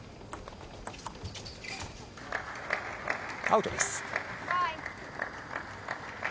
アウトです。